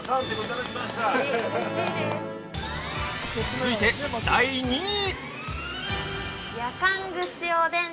◆続いて第２位。